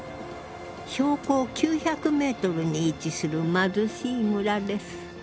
標高９００ｍに位置する貧しい村です。